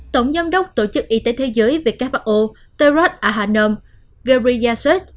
tổng giám đốc tổ chức y tế thế giới who terod ahanom geriaset